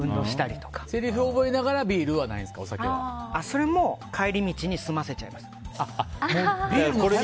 せりふを覚えながらそれも帰り道に済ませちゃいます。